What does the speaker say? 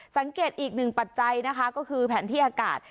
สังเกตอีกหนึ่งปัจจัยนะคะก็คือแผนที่อากาศ